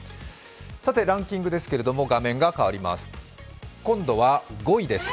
ランキングですけれども、画面が変わります。